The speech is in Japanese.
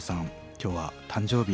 今日は誕生日